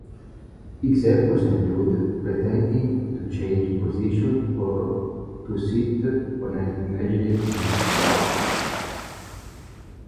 Examples include: pretending to change position or to sit on an imaginary nest site.